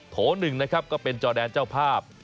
โถ๑นะครับก็เป็นจอแดนเจ้าภาพ